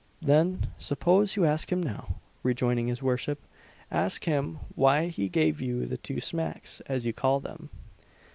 "Then suppose you ask him now," rejoined his worship; "ask him, why he gave you the two smacks, as you call them."